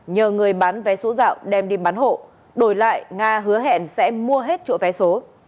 nhờ người bán vé số dạo đem đi bán hộ đổi lại nga hứa hẹn sẽ mua hết chỗ vé số